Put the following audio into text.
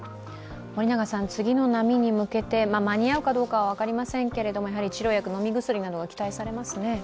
次の波に向けて、間に合うかどうか分かりませんけれども、治療薬、飲み薬などが期待されますね。